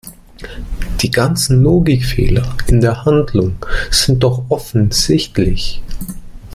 Diese ganzen Logikfehler in der Handlung sind doch offensichtlich!